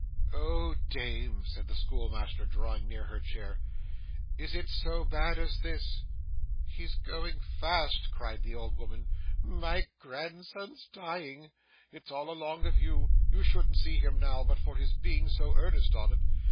'Oh, dame!' said the schoolmaster, drawing near her chair, 'is it so bad as this?' 'He's going fast,' cried the old woman; 'my grandson's dying. It's all along of you. You shouldn't see him now, but for his being so earnest on it.